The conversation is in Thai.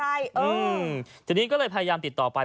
ทีนี้ก็เลยพยายามติดต่อไป